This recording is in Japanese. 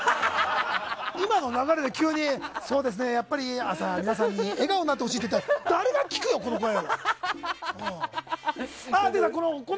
今の流れで急にそうですね、やっぱり朝、皆さんに笑顔になってほしいなんて言っても誰が聞くよ、この声を。